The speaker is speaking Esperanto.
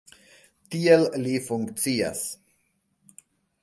Tiel li funkcias.